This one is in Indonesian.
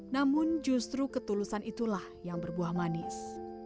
namun justru ketulusan itulah yang berbuah manis